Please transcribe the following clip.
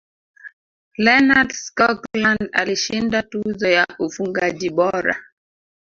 lennart skoglund alishinda tuzo ya ufungaji bora